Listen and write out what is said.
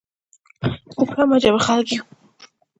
موږ هم عجبه خلک يو.